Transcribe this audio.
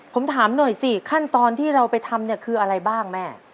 ผมถามหน่อยสิขั้นตอนที่เราไปทำเนี่ยคืออะไรบ้างแม่